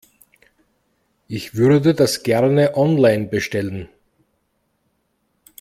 Ich würde das gerne online bestellen.